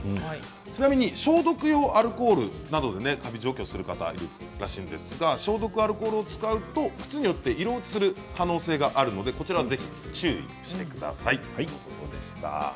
ちなみに消毒用アルコールなどでカビを除去する方がいるらしいんですが消毒用アルコール使うと靴によっては色落ちする可能性があるので、こちらぜひ注意してくださいとのことでした。